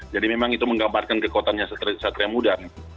jadi memang itu menggambarkan kekuatannya satria muda